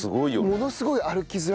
ものすごい歩きづらくない？